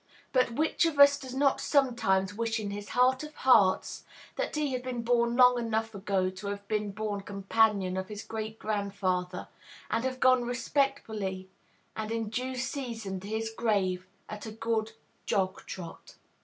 But which of us does not sometimes wish in his heart of hearts, that he had been born long enough ago to have been boon companion of his great grandfather, and have gone respectably and in due season to his grave at a good jog trot?